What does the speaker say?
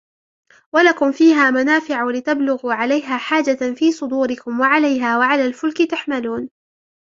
ولكم فيها منافع ولتبلغوا عليها حاجة في صدوركم وعليها وعلى الفلك تحملون